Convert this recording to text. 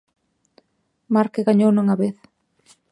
Marque gañouna unha vez.